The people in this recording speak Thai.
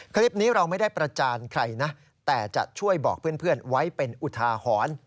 คลิปนี้เราไม่ได้ประจานใครนะแต่จะช่วยบอกเพื่อนไว้เป็นอุทาหรณ์